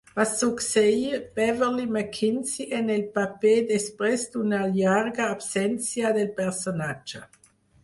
Va succeir Beverlee McKinsey en el paper després d'una llarga absència del personatge.